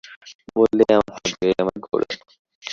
বললে, এ আমার ভাগ্য, এ আমার গৌরব।